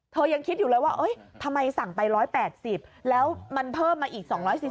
ยังคิดอยู่เลยว่าทำไมสั่งไป๑๘๐แล้วมันเพิ่มมาอีก๒๔๐